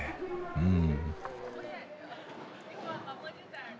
うん。